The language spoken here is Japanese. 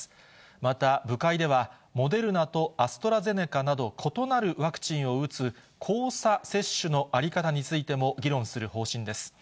また、部会ではモデルナとアストラゼネカなど、異なるワクチンを打つ交差接種の在り方についても議論する方針です。